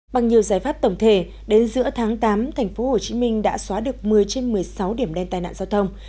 bằng nhiều giải pháp tổng thể đến giữa tháng tám thành phố hồ chí minh đã xóa được một mươi trên một mươi sáu điểm đen tai nạn giao thông